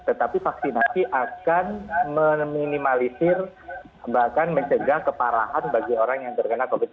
tetapi vaksinasi akan meminimalisir bahkan mencegah keparahan bagi orang yang terkena covid sembilan belas